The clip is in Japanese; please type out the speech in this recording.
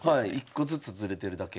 １個ずつずれてるだけ。